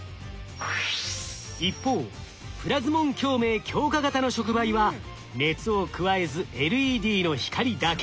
一方プラズモン共鳴強化型の触媒は熱を加えずＬＥＤの光だけ。